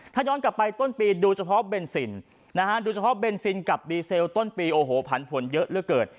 ถ้าย้อนกลับไปต้นปีดูเฉพาะเบนซินนะฮะดูเฉพาะเบนซินกับดีเซลต้นปีโอ้โหผันผลเยอะเหลือเกิน